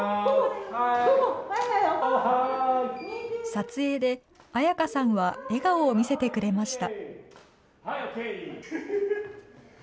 撮影で彩花さんは笑顔を見せてくれました。